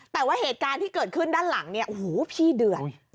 แต่ว่าเหตุการณ์ที่เกิดขึ้นด้านหลังเนี่ยโอ้โหพี่เดือด